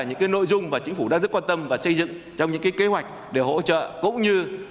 những nội dung mà chính phủ đang rất quan tâm và xây dựng trong những kế hoạch để hỗ trợ cũng như